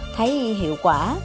thấy hiệu quả